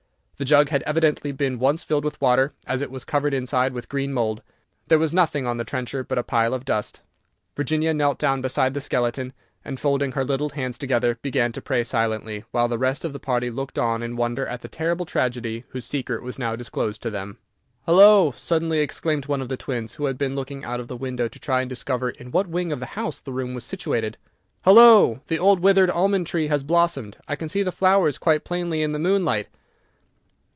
The jug had evidently been once filled with water, as it was covered inside with green mould. There was nothing on the trencher but a pile of dust. Virginia knelt down beside the skeleton, and, folding her little hands together, began to pray silently, while the rest of the party looked on in wonder at the terrible tragedy whose secret was now disclosed to them. [Illustration: "CHAINED TO IT WAS A GAUNT SKELETON"] "Hallo!" suddenly exclaimed one of the twins, who had been looking out of the window to try and discover in what wing of the house the room was situated. "Hallo! the old withered almond tree has blossomed. I can see the flowers quite plainly in the moonlight."